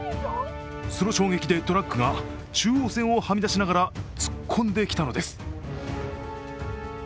その衝撃でトラックが中央線をはみ出しながら突っ込んできたのです。